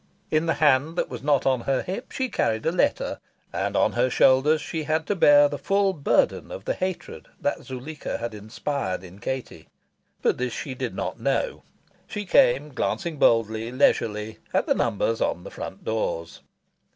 In the hand that was not on her hip she carried a letter. And on her shoulders she had to bear the full burden of the hatred that Zuleika had inspired in Katie. But this she did not know. She came glancing boldly, leisurely, at the numbers on the front doors.